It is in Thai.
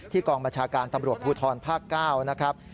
กองบัญชาการตำรวจภูทรภาค๙นะครับ